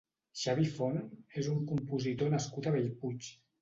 Xavi Font és un compositor nascut a Bellpuig.